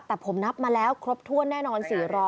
แต่ผมนับมาแล้วครบถ้วนแน่นอน๔๐๐